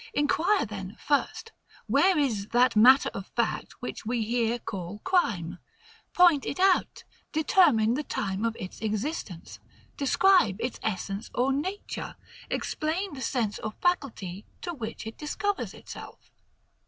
Enquire then, first, where is that matter of fact which we here call crime; point it out; determine the time of its existence; describe its essence or nature; explain the sense or faculty to which it discovers itself.